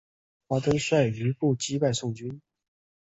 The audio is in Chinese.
华登率余部击败宋军。